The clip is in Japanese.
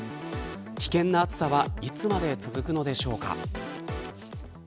危険な暑さはいつまで続くのでしょうか。